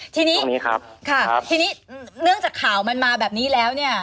ทีนี้เนื่องจากข่าวมันมาแบบนี้แล้วเนี่ย